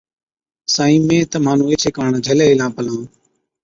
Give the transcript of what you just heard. سائِين مين تمهان نُون ايڇي ڪاڻ جھلي هِلا پلان